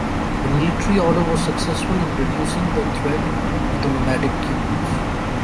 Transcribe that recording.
The military order was successful in reducing the threat of the nomadic Cumans.